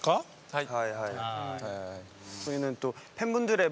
はい。